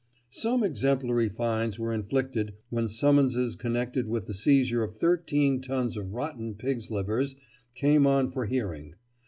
Some exemplary fines were inflicted when summonses connected with the seizure of 13 tons of rotten pigs' livers came on for hearing.